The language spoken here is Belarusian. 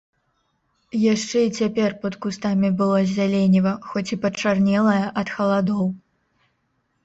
Яшчэ і цяпер пад кустамі было зяленіва, хоць і пачарнелае ад халадоў.